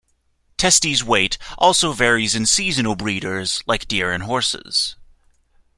Testis weight also varies in seasonal breeders like deer and horses.